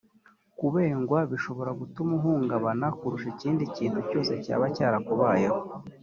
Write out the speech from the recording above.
kubengwa bishobora gutuma uhungabana kurusha ikindi kintu cyose cyaba cyarakubayeho